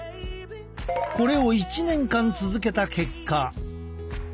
これを１年間続けた結果。